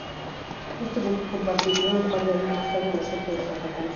Este buque compartiría un par de años más tarde la suerte de su atacante.